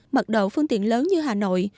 mật độ phương tiện lớn như hà nội